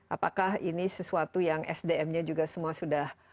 apakah ini sesuatu yang sdm nya juga semua sudah